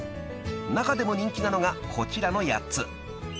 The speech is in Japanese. ［中でも人気なのがこちらの８つ］